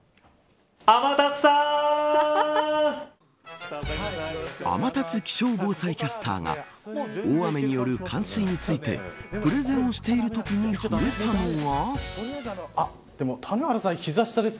天達気象防災キャスターが大雨による冠水についてプレゼンをしているときに触れたのは。